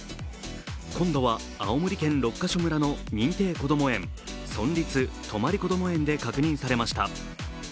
今度は青森県六ヶ所村の認定こども園、村立泊こども園で確認されました。